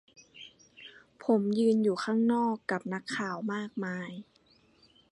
ผมยืนอยู่ข้างนอก กับนักข่าวมากมาย